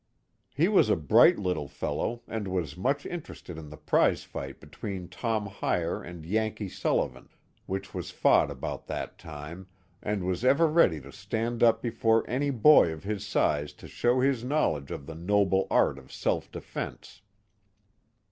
He was a bright little fellow, and was very much interested in the prize fight between Tom Hyer and Yankee Sullivan, which was fought about that time, and was ever ready to stand up before any boy of his size to show his knowledge of the '* noble art of self defence.